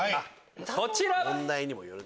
こちら！